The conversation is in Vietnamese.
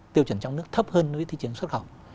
tiêu chuẩn trong nước thấp hơn đối với thị trường xuất khẩu